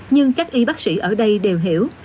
nhưng các y bác sĩ ở đây đều hiểu